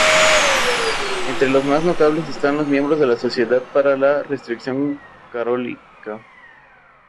Entre los más notables están los miembros de la Sociedad para la Restricción Calórica.